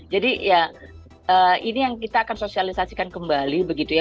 jadi ya ini yang kita akan sosialisasikan kembali begitu ya